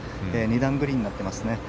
２段グリーンになってますね。